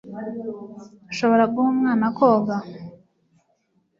Ushobora guha umwana koga?